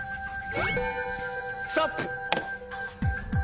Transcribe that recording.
ストップ！